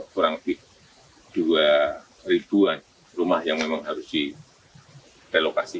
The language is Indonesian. kurang lebih dua ribuan rumah yang memang harus direlokasi